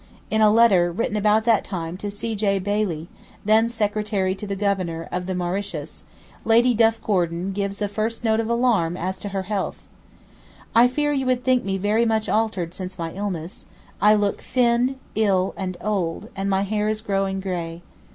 In a letter, written about that time to C. J. Bayley, then secretary to the Governor of the Mauritius, Lady Duff Gordon gives the first note of alarm as to her health: 'I fear you would think me very much altered since my illness; I look thin, ill, and old, and my hair is growing gray.